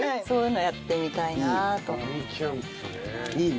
そういうのやってみたいなと思って。